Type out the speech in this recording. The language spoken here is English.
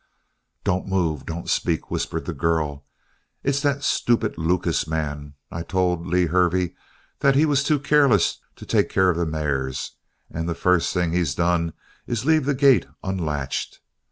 "Don't move, don't speak!" whispered the girl. "It's that stupid Lucas man. I told Lew Hervey that he was too careless to take care of the mares; and the first thing he's done is to leave the gate unlatched.